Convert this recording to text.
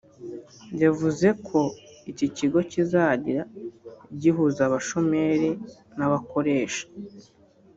yavuze ko iki kigo kizajya gihuza abashomeri n’abakoresha